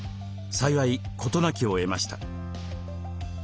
幸い事なきを得ました。